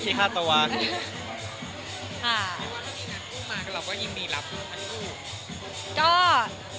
หรือว่าถ้ามีนักผู้มาก็เราก็ยินดีรับนักผู้